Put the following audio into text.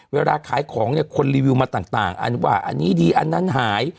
เวลาขายของคนรีวิวมาต่างอันนี้ดีอันนั้นหาย